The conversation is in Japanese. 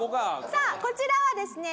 さあこちらはですね